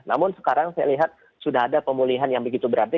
namun sekarang saya lihat sudah ada pemulihan yang begitu berarti